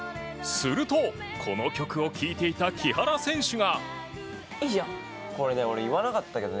すると、この曲を聴いていた木原選手が。